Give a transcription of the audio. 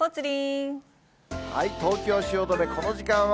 東京・汐留、この時間は。